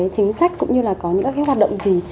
chính sách cũng như là có những cái hoạt động gì